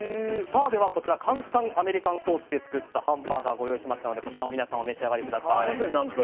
では、こちら簡単アメリカンソースで作ったハンバーガーをご用意しましたのでこちらをお召し上がりください。